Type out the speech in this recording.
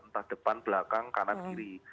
entah depan belakang kanan kiri